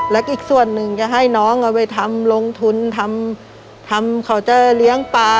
และอีกส่วนหนึ่งจะให้น้องเอาไปทำลงทุนทำเคาน์เตอร์เลี้ยงปลา